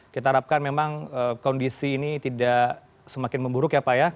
kita harapkan memang kondisi ini tidak semakin memburuk ya pak ya